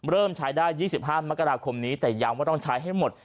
เริ่มใช้ได้๒๕มกราคมนี้แต่ย้ำว่าต้องใช้ให้หมด